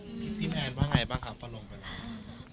มีคลิปพี่แมนบ้างไงบ้างครับประลวงไปเลย